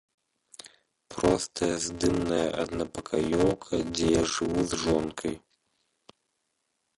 Простая здымная аднапакаёўка, дзе я жыву з жонкай.